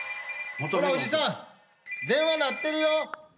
ほらおじさん電話鳴ってるよ。